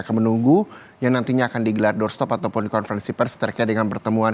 akan menunggu yang nantinya akan digelar doorstop ataupun konferensi pers terkait dengan pertemuan